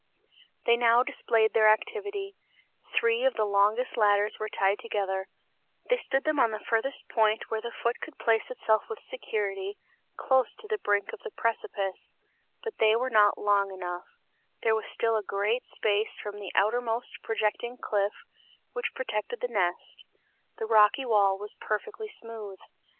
They now displayed their activity; three of the longest ladders were tied together; they stood them on the farthest point where the foot could place itself with security, close to the brink of the precipice but they were not long enough; there was still a great space from the outermost projecting cliff, which protected the nest; the rocky wall was perfectly smooth.